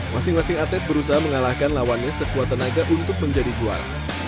masing masing atlet berusaha mengalahkan lawannya sekuat tenaga untuk menjadi juara